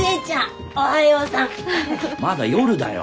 まだ夜だよ。